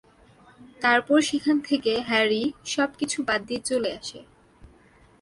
তারপর সেখান থেকে হ্যারি সবকিছু বাদ দিয়ে চলে আসে।